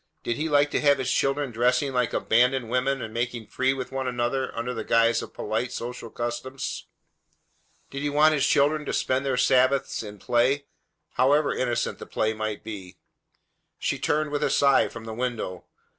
Did He like to have His children dressing like abandoned women and making free with one another under the guise of polite social customs? Did He want His children to spend their Sabbaths in play, however innocent the play might be? She turned with a sigh away from the window.